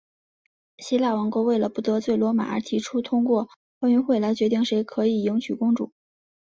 希腊国王为了不得罪罗马而提出通过奥运会来决定谁可以迎娶公主。